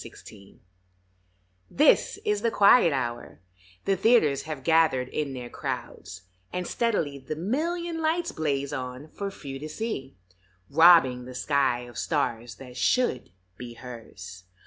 BROADWAY THIS is the quiet hour; the theaters Have gathered in their crowds, and steadily The million lights blaze on for few to see, Robbing the sky of stars that should be hers.